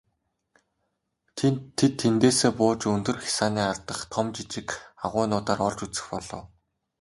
Тэд тэндээсээ бууж өндөр хясааны ар дахь том жижиг агуйнуудаар орж үзэх болов.